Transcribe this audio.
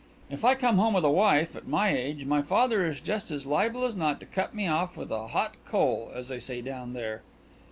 "If I come home with a wife at my age my father is just as liable as not to cut me off with a hot coal, as they say down there."